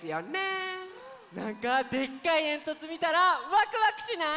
なんかでっかいえんとつみたらワクワクしない？